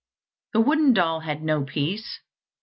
The wooden doll had no peace.